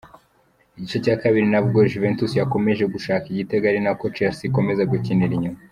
Igice cya kabiri nabwo Juventus yakomeje gushaka igitego ari nako Chelsea ikomeza gukinira inyuma.